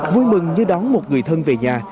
vui mừng như đón một người thân về nhà